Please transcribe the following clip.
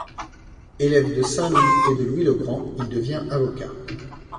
Élève de Saint-Louis et de Louis le Grand, il devient avocat.